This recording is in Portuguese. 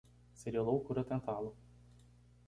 Seria loucura tentá-lo